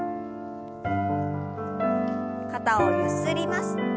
肩をゆすります。